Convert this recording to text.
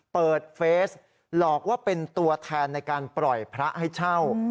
เฟสหลอกว่าเป็นตัวแทนในการปล่อยพระให้เช่า